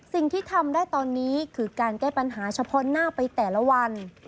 สิ่งที่ทำได้ตอนนี้คือการแก้ปัญหาเฉพาะหน้าไปแต่ละวัน